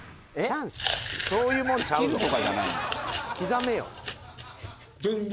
そういうもんちゃうぞ刻めよ。